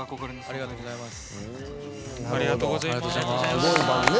ありがとうございます。